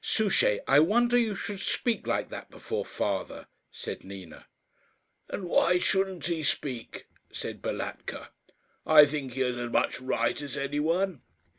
"Souchey, I wonder you should speak like that before father," said Nina. "And why shouldn't he speak?" said Balatka. "I think he has as much right as any one."